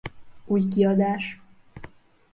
Új kiadás.